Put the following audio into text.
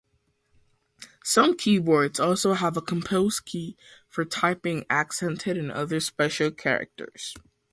Some keyboards also have a Compose key for typing accented and other special characters.